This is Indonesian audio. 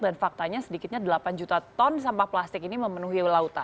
dan faktanya sedikitnya delapan juta ton sampah plastik ini memenuhi lautan